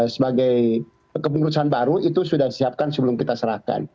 sebagai kepengerusan baru itu sudah siapkan sebelum kita serahkan